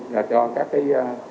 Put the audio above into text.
là cho các cái